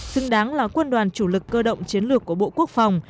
xứng đáng là quân đoàn chủ lực cơ động chiến lược của bộ quốc phòng